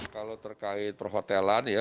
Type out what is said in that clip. kalau terkait perhotelan ya